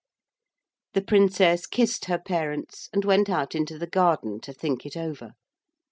The Princess kissed her parents and went out into the garden to think it over.